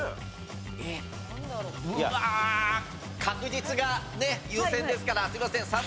確実がね優先ですからすいません